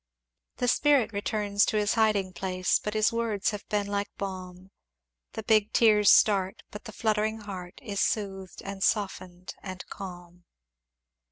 "The Spirit returns to his hiding place, But his words have been like balm. The big tears start but the fluttering heart Is soothed and softened and calm."